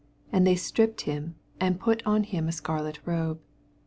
28 And they stripped him, and pnt on l)im a Bcarfet robe.